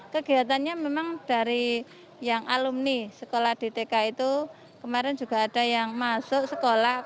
kegiatannya memang dari yang alumni sekolah di tk itu kemarin juga ada yang masuk sekolah